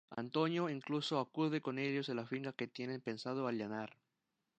Antonio, incluso, acude con ellos a la finca que tienen pensado allanar.